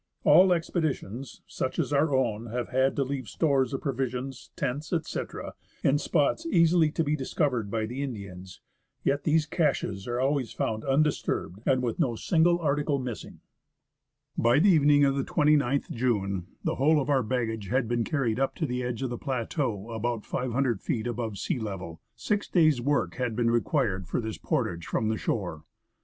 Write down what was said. All expeditions, such as our own, have had to leave stores of provisions, tents, etc., in spots easily to be discovered by the Indians; yet these caches are always found undisturbed and with no single article missing. By the evening of the 29th June, the whole of our baggage had been carried up to the edge of the plateau, about 500 feet above sea level. Six days' work had been required for this portage from the shore.